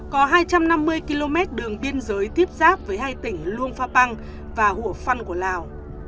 có hai trăm năm mươi km đường biên giới tiếp giáp với hai tỉnh luông pha băng và hủa phăn của lào